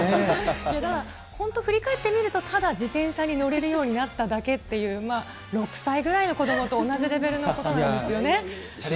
だから、本当、振り返ってみると、ただ自転車に乗れるようになっただけっていう、６歳くらいの子どもと同じレベルのことなんですよね。